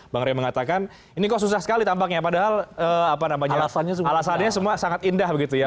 bang rey mengatakan ini kok susah sekali tampaknya padahal alasannya semua sangat indah begitu ya